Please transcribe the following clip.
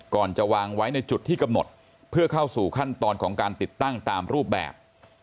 ก่อนจะวางไว้ในจุดที่กำหนดเพื่อเข้าสู่ขั้นตอนของการติดตั้งตามรูปแบบ